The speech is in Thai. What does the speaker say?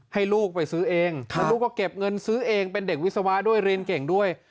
ให้ลูกไปซื้อเองแล้วลูกก็เก็บเงินซื้อเองเป็นเด็กวิศวะด้วยเรียนเก่งด้วย